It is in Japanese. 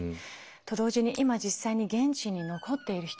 と同時に今実際に現地に残っている人々